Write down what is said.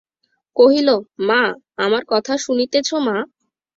কহিল, মা, আমার কথা শুনিতেছ মা?